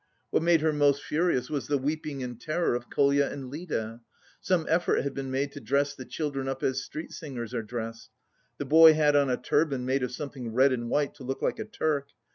What made her most furious was the weeping and terror of Kolya and Lida. Some effort had been made to dress the children up as street singers are dressed. The boy had on a turban made of something red and white to look like a Turk.